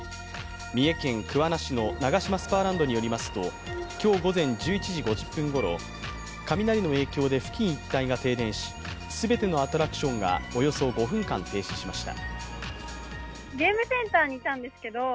三重県桑名市のナガシマスパーランドによりますと今日午前１１時５０分ごろ、雷の影響で付近一帯が停電し全てのアトラクションがおよそ５分間停止しました。